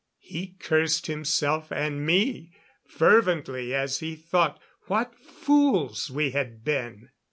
He cursed himself and me fervently as he thought what fools we had been.